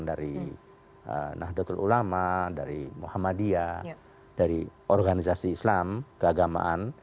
dari nahdlatul ulama dari muhammadiyah dari organisasi islam keagamaan